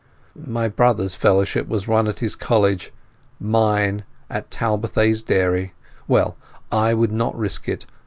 My brother's Fellowship was won at his college, mine at Talbothays Dairy. Well, I would not risk it.